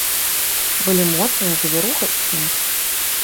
Былі моцная завіруха і снег.